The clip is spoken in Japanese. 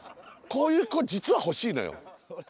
こういう子実は欲しいのよ。